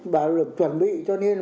và được chuẩn bị cho nên